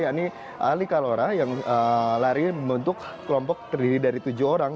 yakni ali kalora yang lari membentuk kelompok terdiri dari tujuh orang